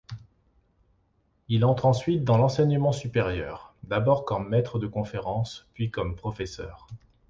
Il entre ensuite dans l'enseignement supérieur, d'abord comme maître de conférences puis comme professeur.